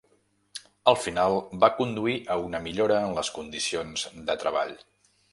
Al final, va conduir a una millora en les condicions de treball.